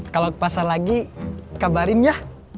kalau ke pasar lagi kabarin ya